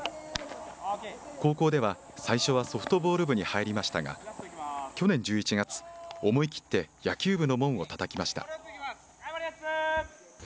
高校では、最初はソフトボール部に入りましたが、去年１１月、思い切って野球部の門をたたきました。